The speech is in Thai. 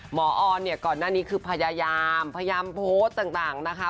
หมอออนก่อนหน้านี้คือพยายามโพสต์ต่างนะคะ